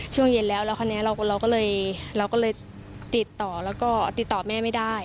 ช่วงเย็นแล้วแล้วเราก็เลยติดต่อแม่ไม่ได้